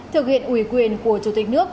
thực hiện ủy quyền của chủ tịch nước